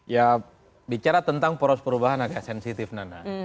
ya bicara tentang poros perubahan agak sensitif nana